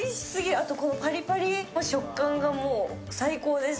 あと、このパリパリの食感が最高です。